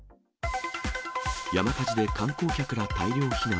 山火事で観光客ら大量避難。